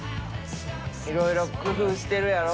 いろいろ工夫してるやろ。